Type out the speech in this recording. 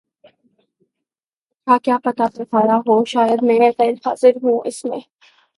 اچھا کیا پتا پھر پڑھایا ہو شاید میں غیر حاضر ہوں اس میں